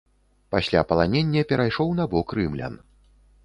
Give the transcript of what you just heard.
Пасля паланення перайшоў на бок рымлян.